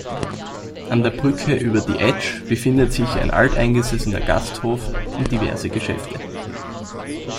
An der Brücke über die Etsch befindet sich ein alteingesessener Gasthof und diverse Geschäfte.